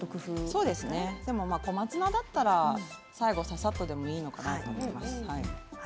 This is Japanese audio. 小松菜だったら最後ささっとでもいいのかなと思います。